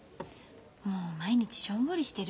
もう毎日しょんぼりしてる。